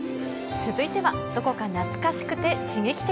続いては、どこか懐かしくて刺激的。